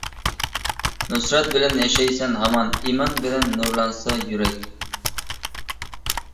نۇسرەت بىلەن ياشايسەن ھامان، ئىمان بىلەن نۇرلانسا يۈرەك.